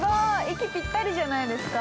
息ぴったりじゃないですか。